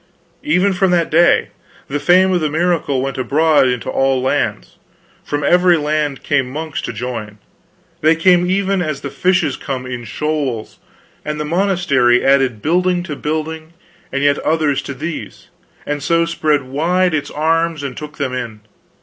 "Even from that very day. The fame of the miracle went abroad into all lands. From every land came monks to join; they came even as the fishes come, in shoals; and the monastery added building to building, and yet others to these, and so spread wide its arms and took them in.